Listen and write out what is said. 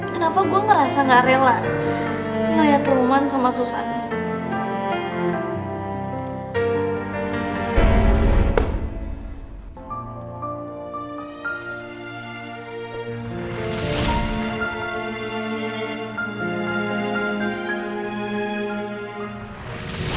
kenapa gue ngerasa gak rela layak keruman sama susana